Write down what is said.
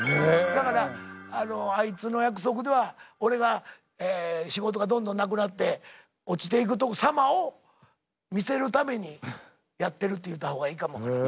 だからあのあいつの約束では俺が仕事がどんどんなくなって落ちていくとこ様を見せるためにやってるって言うた方がいいかも分からん。